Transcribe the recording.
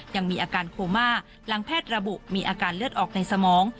ยังมีอาการโคม่าหลังแพทย์ระบุมีอาการเลือดออกในสมอง